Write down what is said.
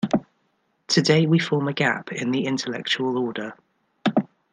Today we form a gap in the intellectual order.